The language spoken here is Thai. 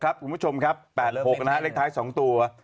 คุณผู้ชมครับ๘๖นะฮะเลขท้าย๒ตัว